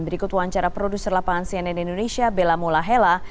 berikut wawancara produser lapangan cnn indonesia bella mula hela